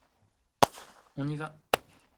On y va !